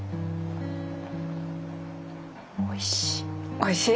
おいしい。